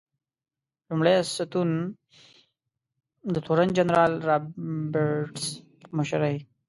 لومړی ستون د تورن جنرال رابرټس په مشرۍ.